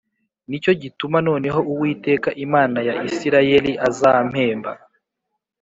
Ni cyo gituma noneho Uwiteka Imana ya Isirayeli azampemba